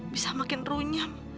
bisa makin runyam